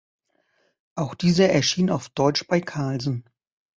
Auch dieser erschien auf deutsch bei Carlsen.